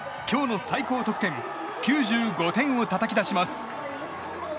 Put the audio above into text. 今日の最高得点９５点をたたき出します。